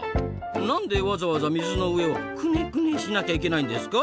何でわざわざ水の上をクネクネしなきゃいけないんですか？